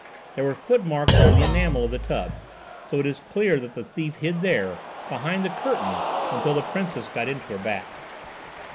There were footmarks on the enamel of the tub, so it is clear that the thief hid there, behind the curtain, until the Princess got into her bath."